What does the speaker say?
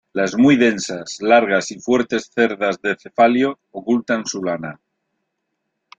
Las muy densas, largas y fuertes cerdas de cefalio ocultan su lana.